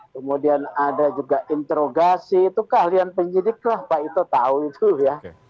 kemudian ada juga interogasi itu keahlian penyidik lah pak ito tahu itu ya